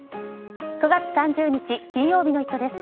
９月３０日、金曜日の「イット！」です。